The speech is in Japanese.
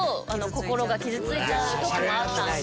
心が傷ついちゃう時もあったんで。